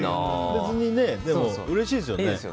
別にうれしいですよね。